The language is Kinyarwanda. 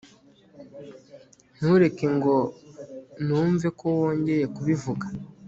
Ntureke ngo numve ko wongeye kubivuga